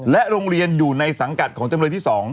โรงเรียนอยู่ในสังกัดของจำเลยที่๒